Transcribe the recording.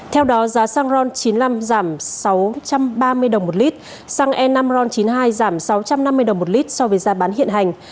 theo đó giá xăng ron chín mươi năm giảm sáu trăm ba mươi đồng một lít xăng e năm ron chín mươi hai giảm sáu trăm năm mươi đồng một lít so với giá bán hiện hành